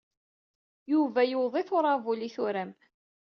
Yuba yewweḍ-it uṛabul ay turam.